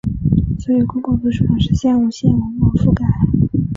所有公共图书馆实现无线网络覆盖。